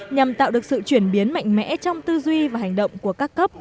nhằm tạo được sự chuyển biến mạnh mẽ trong tư duy và hành động của các cấp